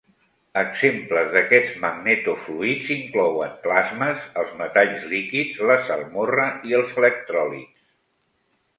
Exemples d'aquests magneto-fluids inclouen plasmes, els metalls líquids, la salmorra i els electròlits.